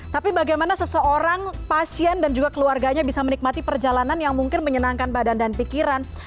tapi bagaimana seseorang pasien dan juga keluarganya bisa menikmati perjalanan yang mungkin menyenangkan badan dan pikiran